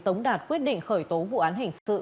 tống đạt quyết định khởi tố vụ án hình sự